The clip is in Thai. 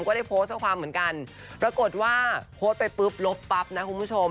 ก็ได้โพสต์ข้อความเหมือนกันปรากฏว่าโพสต์ไปปุ๊บลบปั๊บนะคุณผู้ชม